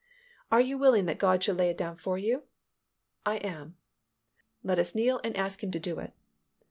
"Are you willing that God should lay it down for you?" "I am." "Let us kneel and ask Him to do it."